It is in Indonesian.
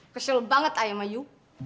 kesel banget saya sama you